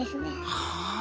はあ。